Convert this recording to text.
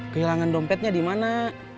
kehilangan dompetnya dimana